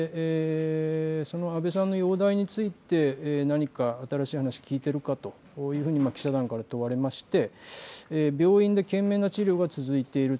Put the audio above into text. その安倍さんの容体について何か新しい話を聞いているかというふうに記者団から問われまして病院で懸命な治療が続いている。